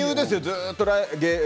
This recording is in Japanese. ずっと。